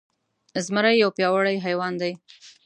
زمری يو پياوړی حيوان دی.